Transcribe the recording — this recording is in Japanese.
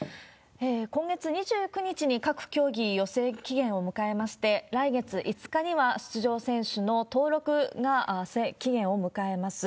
今月２９日に各競技、予選期限を迎えまして、来月５日には出場選手の登録が期限を迎えます。